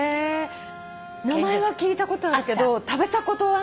名前は聞いたことあるけど食べたことはない。